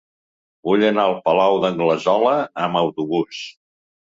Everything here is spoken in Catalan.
Vull anar al Palau d'Anglesola amb autobús.